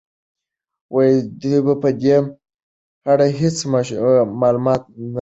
دوی په دې اړه هيڅ معلومات نه درلودل.